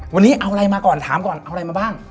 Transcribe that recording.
วันนี้เอาอะไรมาก่อนถามก่อนเอาอะไรมาบ้าง